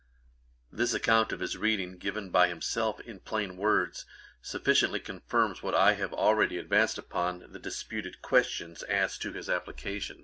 ] This account of his reading, given by himself in plain words, sufficiently confirms what I have already advanced upon the disputed question as to his application.